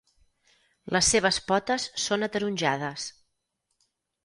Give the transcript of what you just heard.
Les seves potes són ataronjades.